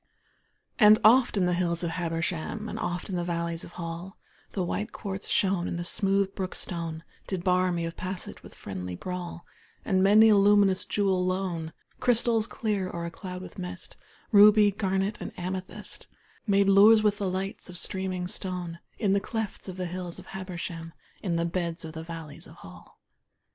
And oft in the hills of Habersham, And oft in the valleys of Hall, The white quartz shone, and the smooth brook stone Did bar me of passage with friendly brawl, And many a luminous jewel lone Crystals clear or a cloud with mist, Ruby, garnet and amethyst Made lures with the lights of streaming stone In the clefts of the hills of Habersham, In the beds of the valleys of Hall.